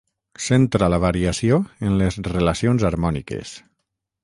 Centra la variació en les relacions harmòniques.